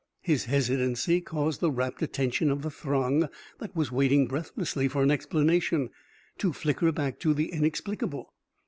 His hesitancy caused the rapt attention of the throng that was waiting breathlessly for an explanation, to flicker back to the inexplicable.